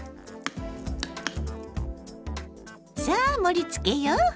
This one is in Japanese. さあ盛りつけよう！